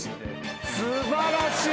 素晴らしい。